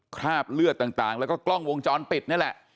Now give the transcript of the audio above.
คราบเลือดต่างแล้วก็กล้องวงจรปิดนี่แหละ